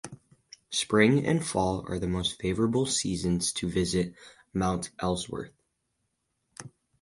Spring and fall are the most favorable seasons to visit Mount Ellsworth.